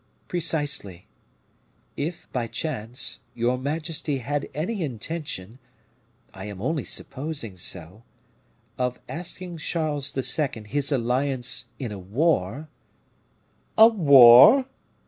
"Precisely. If, by chance, your majesty had any intention I am only supposing so of asking Charles II. his alliance in a war " "A war?"